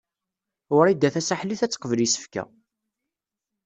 Wrida Tasaḥlit ad teqbel isefka.